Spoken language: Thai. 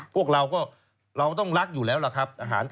พวกเราก็เราต้องรักอยู่แล้วล่ะครับ